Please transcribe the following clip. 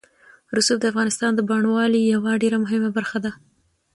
رسوب د افغانستان د بڼوالۍ یوه ډېره مهمه برخه ده.